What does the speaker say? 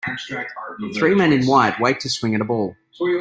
Three men in white wait to swing at a ball.